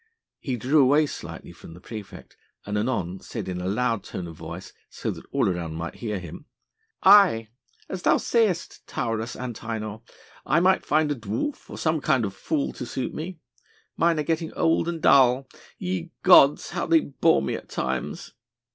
He drew away slightly from the praefect and anon said in a loud tone of voice so that all around him might hear: "Aye! as thou sayest, Taurus Antinor, I might find a dwarf or some kind of fool to suit me. Mine are getting old and dull. Ye gods, how they bore me at times!"